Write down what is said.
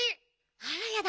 あらやだ